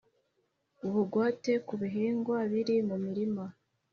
Ubugwate ku bihingwa biri mu murima